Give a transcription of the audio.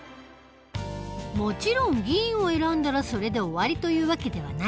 もちろん議員を選んだらそれで終わりという訳ではない。